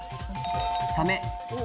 サメ。